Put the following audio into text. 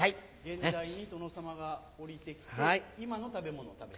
現代に殿様がおりてきて今の食べ物を食べる？